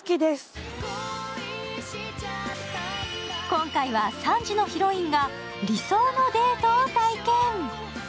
今回は３時のヒロインが理想のデートを体験。